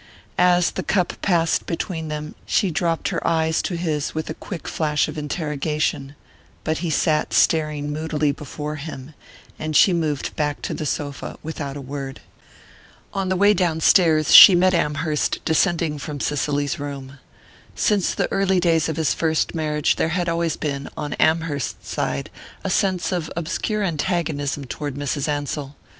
As the cup passed between them she dropped her eyes to his with a quick flash of interrogation; but he sat staring moodily before him, and she moved back to the sofa without a word. On the way downstairs she met Amherst descending from Cicely's room. Since the early days of his first marriage there had always been, on Amherst's side, a sense of obscure antagonism toward Mrs. Ansell.